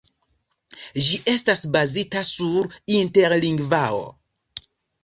Ĝi estas bazita sur Interlingvao.